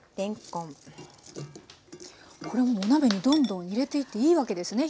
これもうお鍋にどんどん入れていっていいわけですね